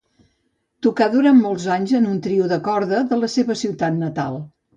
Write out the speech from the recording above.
Tocà durant molts anys en un trio de corda de la seva ciutat natal.